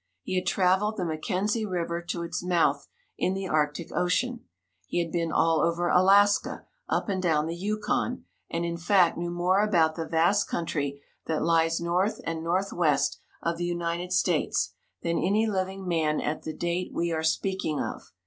He had travelled the McKenzie river to its mouth in the Arctic ocean. He had been all over Alaska, up and down the Yukon, and, in fact, knew more about the vast country that lies north and northwest of the United States than any living man at the date we are speaking of.